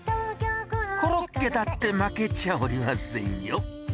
コロッケだって負けちゃおりませんよ。